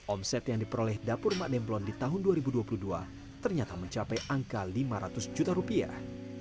omset yang diperoleh dapur mak demplon di tahun dua ribu dua puluh dua ternyata mencapai angka lima ratus juta rupiah